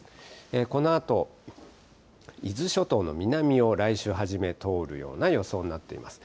このあと伊豆諸島の南を来週初め、通るような予想になっています。